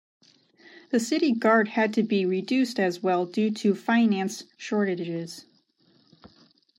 The city guard had to be reduced as well due to finance shortages.